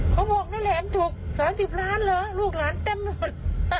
เขาบอกแหลมถูก๓๐ล้านเหรอลูกหลานเต็มอยู่มัน